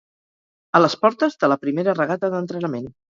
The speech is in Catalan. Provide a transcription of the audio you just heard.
A les portes de la primera regata d'entrenament